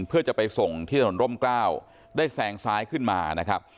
เพื่อจะไปส่งที่ถนนร่มกล้าวได้แซงซ้ายขึ้นมานะครับ